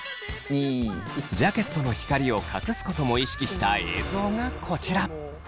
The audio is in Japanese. ジャケットの光を隠すことも意識した映像がこちら。